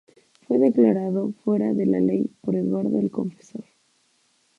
Fue declarado fuera de la ley por Eduardo "el Confesor".